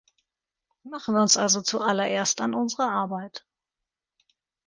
Machen wir uns also zuallererst an unsere Arbeit.